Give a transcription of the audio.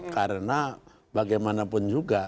karena bagaimanapun juga